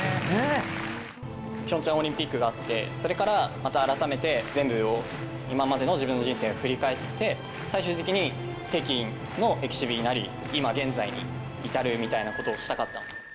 ピョンチャンオリンピックがあって、それからまた改めて全部を、今までの自分の人生を振り返って、最終的に北京のエキシビになり、今現在に至るみたいなことをしたかった。